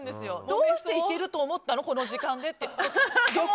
どうして行けると思ったのこの時間でって。